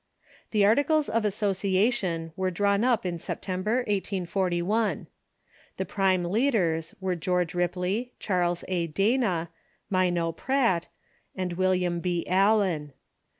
The arti cles of association were drawn up in September, 1841. The prime leaders were George Ripley, Charles A. Dana, Minot Pratt, and William B. Allen.